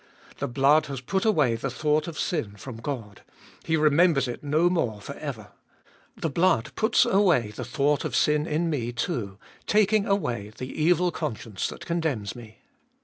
The blood has put away the thought of sin from God ; He remembers it no more for ever. The blood puts away the thought of sin in me too, taking away the evil conscience that condemns me.